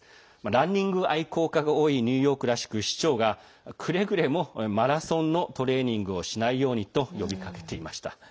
ランニング愛好家が多いニューヨークらしく市長が、くれぐれもマラソンのトレーニングをしないようにと呼びかけていました。